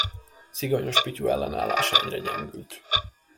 Szigonyos Pityu ellenállása egyre gyengült.